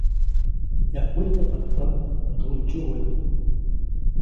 Yajkwijtyajpaʼt ʼäj nduʼndsyuwe.